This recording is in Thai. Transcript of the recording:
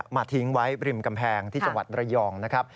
มาทิ้งไว้ริมกำแพงที่จังหวัดระยอง